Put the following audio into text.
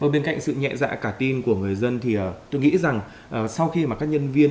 bên cạnh sự nhẹ dạ cả tin của người dân tôi nghĩ rằng sau khi các nhân viên